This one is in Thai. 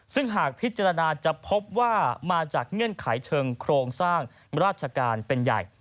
ซึ่งหากพิจารณาจะพบว่ามาจากเงื่อนไขเชิงโครงสร้างราชการเป็นใหญ่